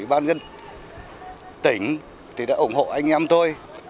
ủy ban đặc biệt ủy ban dân tỉnh thì đã ủng hộ anh em tôi